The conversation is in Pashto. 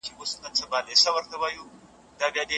د ټولني نظر څه و؟